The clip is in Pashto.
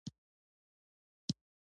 خلک ناراضه شول.